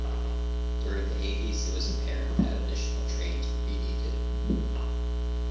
During the eighties it was apparent that additional trains would be needed.